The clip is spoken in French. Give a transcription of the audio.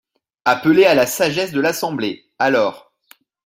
Appelez à la sagesse de l’Assemblée, alors